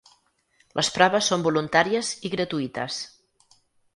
Les proves són voluntàries i gratuïtes.